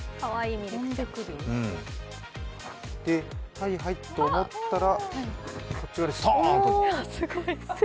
はいはい、と思ったらこちらにストーンと。